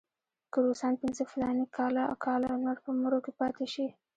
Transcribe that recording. که روسان پنځه فلاني کاله نور په مرو کې پاتې شي.